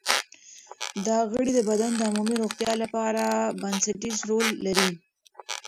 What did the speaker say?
دا غړي د بدن د عمومي روغتیا لپاره بنسټیز رول لري.